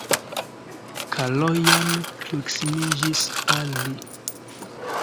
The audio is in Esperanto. Kalojan proksimiĝis al li.